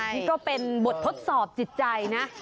นี่ก็เป็นบททดสอบจิตใจนะ